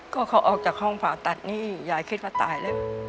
ก็เขาออกจากห้องผ่าตัดนี่ยายคิดว่าตายแล้ว